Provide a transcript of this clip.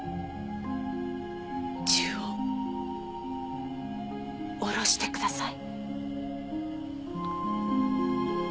銃を下ろしてください。